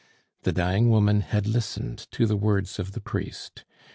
The dying woman had listened to the words of the priest.